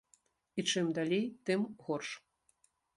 І чым далей, тым горш.